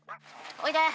おいで！